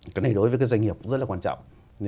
cái này đối với các doanh nghiệp cũng rất là quan trọng